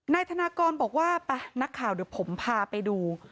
นายธนากรบอกว่าไปนักข่าวเดี๋ยวผมพาไปดู